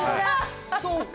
そうか。